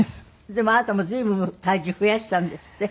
でもあなたも随分体重増やしたんですって？